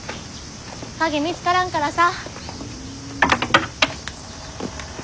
鍵見つからんからさ。